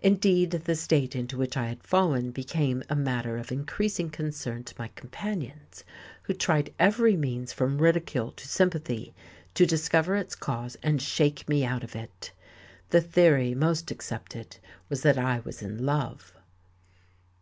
Indeed the state into which I had fallen became a matter of increasing concern to my companions, who tried every means from ridicule to sympathy, to discover its cause and shake me out of it. The theory most accepted was that I was in love.